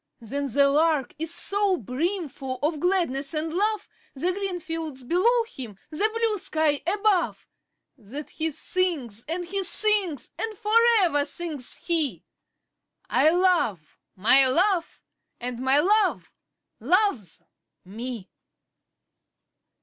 But the Lark is so brimful of gladness and love, The green fields below him, the blue sky above, That he sings, and he sings; and for ever sings he 'I love my Love, and my Love loves me!'